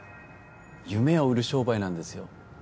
夢を売る商売なんですよ